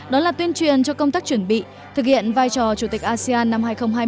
đó là tuyên truyền cho công tác chuẩn bị thực hiện vai trò chủ tịch asean năm hai nghìn hai mươi